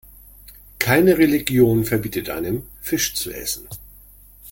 Keine Religion verbietet einem, Fisch zu essen.